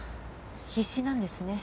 必死なんですね